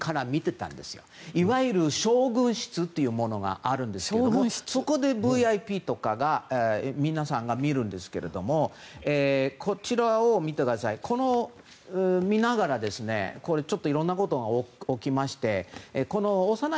いわゆる将軍室というものがあるんですがそこでＶＩＰとか皆さんが見るんですけれども見ながらいろんなことが起きまして。